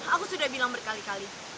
aku sudah bilang berkali kali